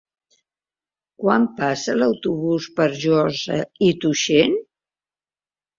Quan passa l'autobús per Josa i Tuixén?